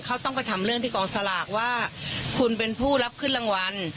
เขาต้องไปทำเรื่องที่กองสลากว่าคุณเป็นผู้รับขึ้นรางวัล